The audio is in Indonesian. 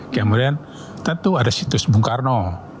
kemudian tentu ada situs bung karno